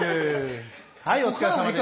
はいお疲れさまでした。